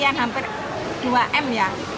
yang hampir dua m ya